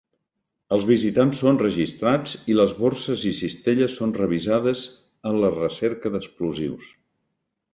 Els visitants són registrats i les borses i cistelles són revisades a la recerca d'explosius.